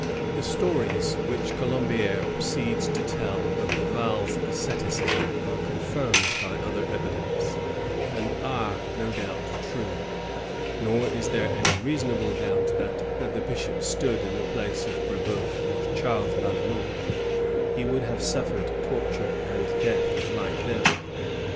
The stories which ColombiSre proceeds tq tell of Laval*s asceticism are confirmed by other evidence, VOL. I. — 16 226 LAVAL AND THE SEMIKABT. [lM2 8a «nd are, no doubt, true. Nor is there any reasonable doubt that, had the bishop stood in the place of BrA)euf or Charles Lalemant, he would have suffered torture and death like them.